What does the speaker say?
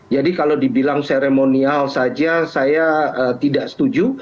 jadi kalau dibilang seremonial saja saya tidak setuju